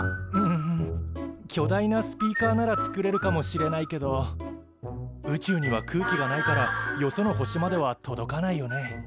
うん巨大なスピーカーなら作れるかもしれないけど宇宙には空気がないからよその星までは届かないよね。